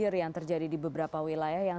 kang emil selamat malam